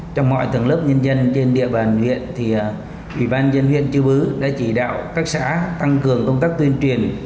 trong mọi thường lớp nhân dân trên địa bàn huyện ủy ban dân huyện trư bức đã chỉ đạo các xã tăng cường công tác tuyên truyền